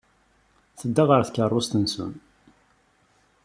Tedda ɣer tkeṛṛust-nnes.